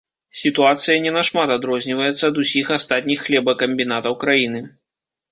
Сітуацыя не нашмат адрозніваецца ад усіх астатніх хлебакамбінатаў краіны.